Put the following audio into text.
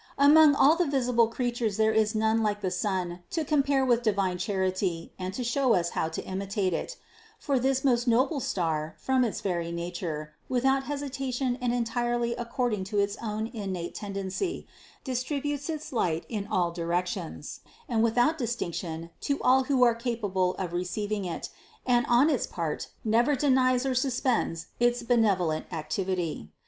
Among all the visible creatures there is none like the sun to compare with divine charity and 400 CITY OF GOD to show us how to imitate it; for this most noble star, from its very nature, without hesitation and entirely ac cording1 to its own innate tendency, distributes its light in all directions, and without distinction to all who are capable of receiving it, and on its part never denies or suspends its benevolent activity.